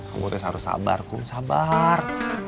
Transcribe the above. kamu harus sabar kom sabar